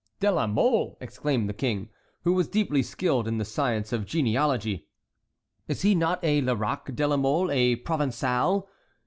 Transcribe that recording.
"De la Mole!" exclaimed the King, who was deeply skilled in the science of genealogy; "is he not a Lerac de la Mole, a Provençal?"